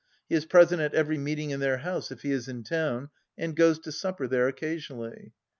He is present at every meeting in their house if he is in town, and goes to supper there occasionally.